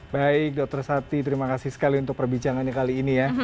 baik dokter sati terima kasih sekali untuk perbincangannya kali ini ya